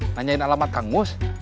nanyain alamat kang mus